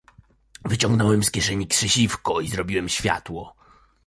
"Wyciągnąłem z kieszeni krzesiwko i zrobiłem światło."